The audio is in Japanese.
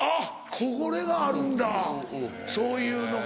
これがあるんだそういうのが。